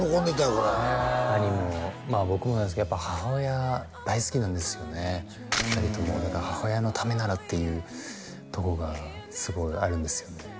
これへえ兄もまあ僕もなんですけどやっぱ母親大好きなんですよね２人ともだから母親のためならっていうとこがすごいあるんですよね